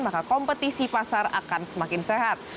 maka kompetisi pasar akan semakin sehat